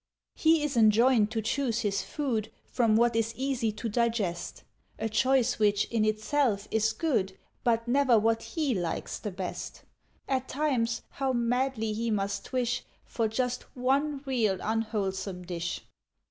He is enjoined to choose his food From what is easy to digest; A choice which in itself is good, But never what he likes the best. (At times how madly he must wish For just one real unwholesome dish!)